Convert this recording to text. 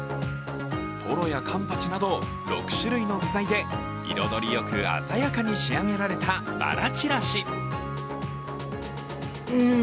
トロやカンパチなど、６種類の具材で彩りよく鮮やかに仕上げられたばらちらし。